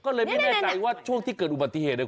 ก็เลยไม่แน่ใจว่าช่วงที่เกิดอุบัติเหตุเนี่ย